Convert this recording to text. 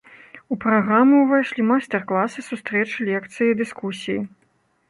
У праграму ўвайшлі майстар-класы, сустрэчы, лекцыі і дыскусіі.